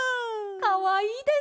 かわいいです。